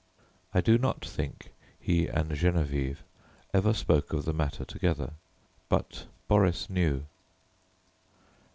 I do not think he and Geneviève ever spoke of the matter together, but Boris knew.